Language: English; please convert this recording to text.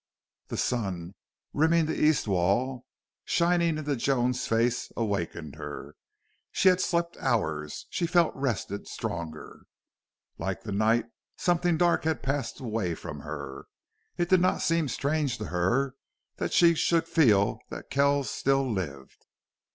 The sun, rimming the east wall, shining into Joan's face, awakened her. She had slept hours. She felt rested, stronger. Like the night, something dark had passed away from her. It did not seem strange to her that she should feel that Kells still lived.